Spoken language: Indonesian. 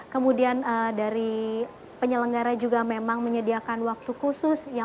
kemudian dari penyelenggara juga memang menyediakan waktu khusus